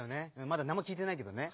まだなんもきいてないけどね。